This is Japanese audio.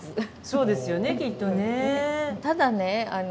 そうですよねきっとね。